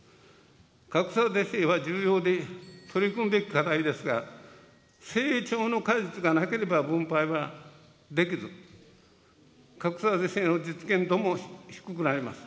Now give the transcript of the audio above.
格差是正は重要で取り組むべき課題ですが、成長の果実がなければ分配はできず、格差是正の実現度も低くなります。